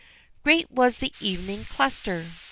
Great was thy Evening Cluster!